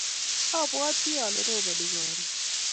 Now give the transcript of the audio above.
abwatii ale roboni akron